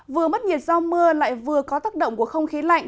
vừa mất nhiệt do mưa lại vừa có tác động của không khí lạnh